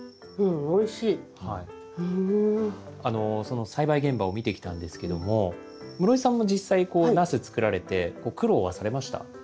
その栽培現場を見てきたんですけども室井さんも実際こうナス作られて苦労はされました？